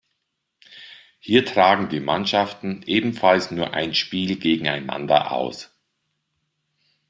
Hier tragen die Mannschaften ebenfalls nur ein Spiel gegeneinander aus.